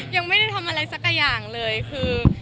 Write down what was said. ยังไม่ได้ทำอะไรสักอย่างเลยคือ